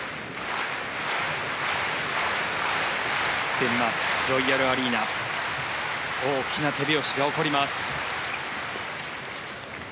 デンマーク、ロイヤルアリーナ大きな手拍子が起こります。